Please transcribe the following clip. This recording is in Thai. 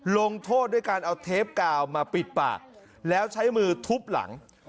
ลงโทษด้วยการเอาเทปกาวมาปิดปากแล้วใช้มือทุบหลัง